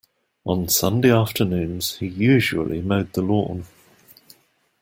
On Sunday afternoons he usually mowed the lawn.